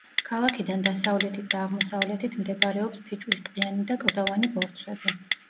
ქალაქიდან დასავლეთით და აღმოსავლეთით მდებარეობს ფიჭვის ტყიანი და კლდოვანი ბორცვები.